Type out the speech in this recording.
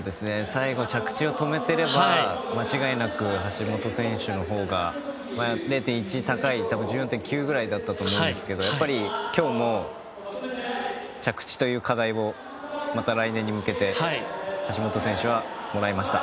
最後、着地を止めていれば間違いなく橋本選手のほうが０．１高い多分、１４．９ぐらいだったと思いますがやっぱり今日も着地という課題をまた来年に向けて橋本選手はもらいました。